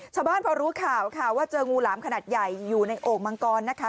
ชาวบ้านพอรู้ข่าวค่ะว่าเจองูหลามขนาดใหญ่อยู่ในโอ่งมังกรนะคะ